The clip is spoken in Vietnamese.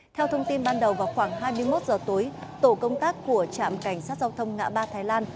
theo thông tin ban đầu vào khoảng hai mươi một giờ tối tổ công tác của trạm cảnh sát giao thông ngã ba thái lan